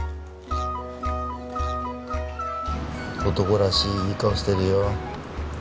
男らしいいい顔してるよ。